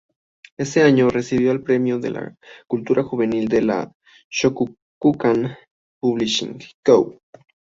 Ese año, recibió el Premio de la cultura juvenil de la Shogakukan Publishing Co.